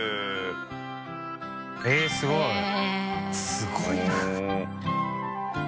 すごいな。